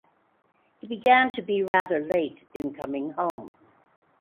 He began to be rather late in coming home.